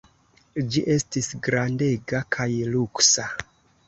Ĝi estis grandega kaj luksa.